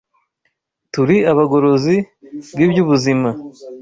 Turi abagorozi b’iby’ubuzima